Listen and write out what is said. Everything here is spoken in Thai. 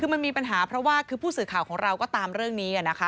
คือมันมีปัญหาเพราะว่าคือผู้สื่อข่าวของเราก็ตามเรื่องนี้นะคะ